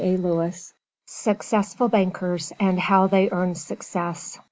"_ [Illustration: SUCCESSFUL BANKERS AND HOW THEY EARNED SUCCESS.